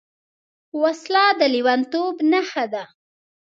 وسله د لېونتوب نښه ده